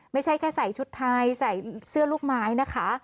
ไม่ใช่แค่ใส่ชุดไทยใส่เสื้อลูกไม้นะคะ